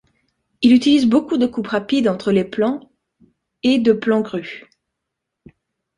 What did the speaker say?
Il utilise beaucoup de coupes rapides entre les plans et de plans grues.